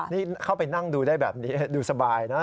นี่เข้าไปนั่งดูได้แบบนี้ดูสบายนะ